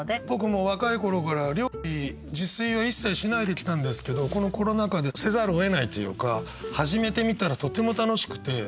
僕も若い頃から料理自炊は一切しないできたんですけどこのコロナ禍でせざるをえないというか始めてみたらとても楽しくて。